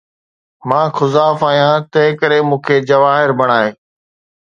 مان خزاف آهيان، تنهن ڪري مون کي جواهر بڻاءِ